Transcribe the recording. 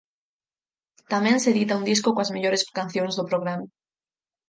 Tamén se edita un disco coas mellores cancións do programa.